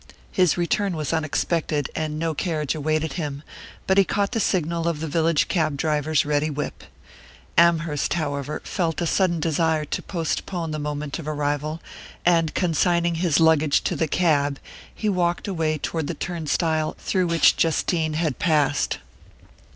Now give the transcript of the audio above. His return was unexpected, and no carriage awaited him; but he caught the signal of the village cab driver's ready whip. Amherst, however, felt a sudden desire to postpone the moment of arrival, and consigning his luggage to the cab he walked away toward the turnstile through which Justine had passed.